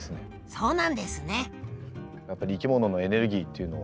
そうなんですね。